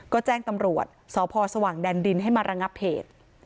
ก็แจ้งตำรวจสพสว่างแดนดินให้มาระงับเหตุ